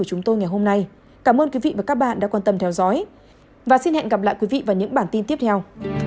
các bạn đã quan tâm theo dõi và xin hẹn gặp lại quý vị vào những bản tin tiếp theo